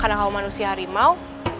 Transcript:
karena kalau manusia harimau